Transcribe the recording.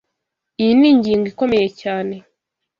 Iyi ni ingingo ikomeye cyane.